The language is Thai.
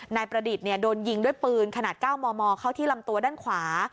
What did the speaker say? นายประดิษฐ์โดนยิงด้วยปืนขนาด๙มมเข้าที่ลำตัวด้านขวา